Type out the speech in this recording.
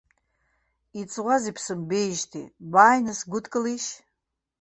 Иҵуазеи бсымбеижьҭеи, бааины сгәыдкылишь.